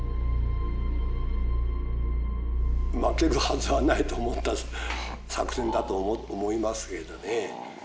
負けるはずはないと思った作戦だと思いますけどね。